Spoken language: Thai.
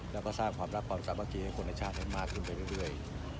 แล้วก็สร้างความรักความรักผ่านกลับมือกินให้คนชาติให้มากขึ้นไปเรื่อย